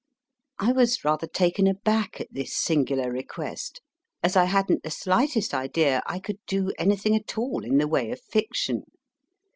I was rather taken aback at this singular request, as I hadn t the slightest idea I could do anything at all in the way of fiction.